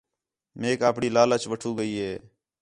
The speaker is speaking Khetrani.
میک اپݨی لالچ وَٹھو ڳئی ہِے